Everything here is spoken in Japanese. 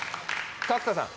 角田さん。